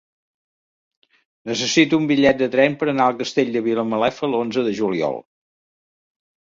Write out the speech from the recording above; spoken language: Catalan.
Necessito un bitllet de tren per anar al Castell de Vilamalefa l'onze de juliol.